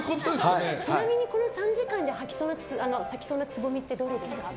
ちなみに３時間で咲きそうなつぼみってどれですか？